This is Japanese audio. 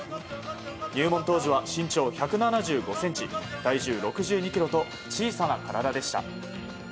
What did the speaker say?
入門当時は身長１７５ｃｍ、体重６２ｋｇと小さな体でした。